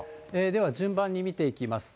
では順番に見ていきます。